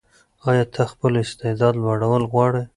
ایا ته خپل استعداد لوړول غواړې؟